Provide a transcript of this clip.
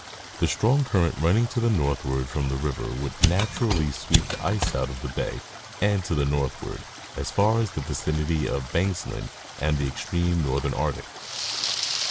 The strong current running to the northward from the river would naturally sweep the ice out of the bay and to the northward, as far as the vicinity of Banksland and the extreme northern Arctic.